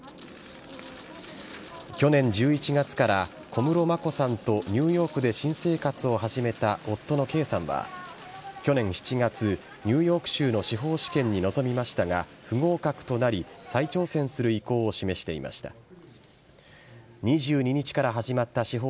去年１１月から小室眞子さんとニューヨークで新生活を始めた夫の圭さんは、去年７月、ニューヨーク州の司法試験に臨みましたが、不合格となり、再挑戦する意向を示していました。